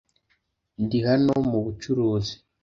ndi hano mubucuruzi